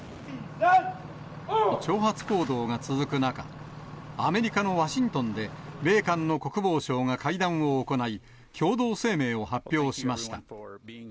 挑発行動が続く中、アメリカのワシントンで米韓の国防相が会談を行い、共同声明を発表しました。